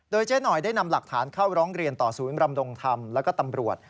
โดยเจ๊หน่อยได้นำหลักฐานเข้าร้องเรียนต่อศูนย์รำรงธรรมแล้วก็ตำรวจ